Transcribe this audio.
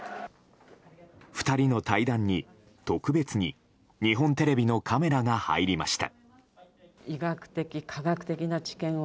２人の対談に特別に日本テレビのカメラが入りました。